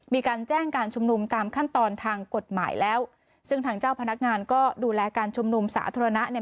มีการแจ้งการชุมนุมตามขั้นตอนทางกฎหมายแล้วซึ่งทางเจ้าพนักงานก็ดูแลการชุมนุมสาธารณะเนี่ย